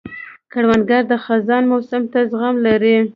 کروندګر د خزان موسم ته زغم لري